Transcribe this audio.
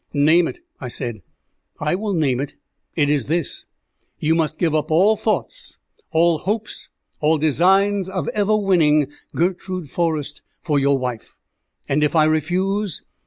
"Name it," I said. "I will name it. It is this. You must give up all thoughts, all hopes, all designs, of ever winning Gertrude Forrest for your wife." "And if I refuse?"